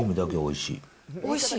おいしい？